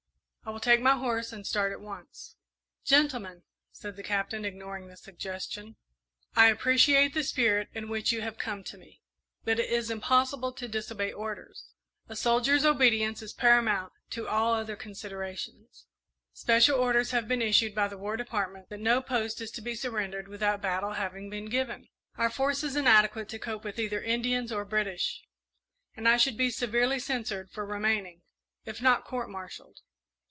I will take my horse and start at once." "Gentlemen," said the Captain, ignoring the suggestion, "I appreciate the spirit in which you have come to me, but it is impossible to disobey orders. A soldier's obedience is paramount to all other considerations. Special orders have been issued by the War Department that no post is to be surrendered without battle having been given. Our force is inadequate to cope with either Indians or British, and I should be severely censured for remaining, if not court martialed.